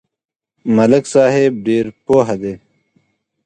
ملک صاحب ډېر پوه دی.